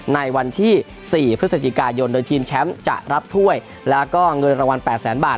ในวันที่๔พฤศจิกายนโดยทีมแชมป์จะรับถ้วยแล้วก็เงินรางวัล๘แสนบาท